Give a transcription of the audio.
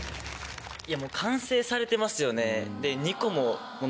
完成されてますよね。